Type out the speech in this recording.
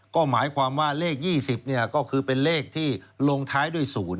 ก็หมายความว่าเลข๒๐ก็คือเป็นเลขที่ลงท้ายด้วย๐